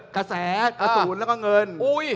กระแสกระสุนแล้วก็เงิน